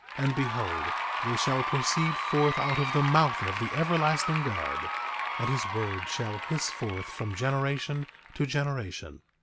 And behold, they shall proceed forth out of the mouth of the everlasting God; and his word shall hiss forth from generation to generation.